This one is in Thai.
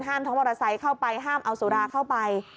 ห้ามท้องมัวทะไซค์เข้าไปห้ามเอาสุราเข้าไป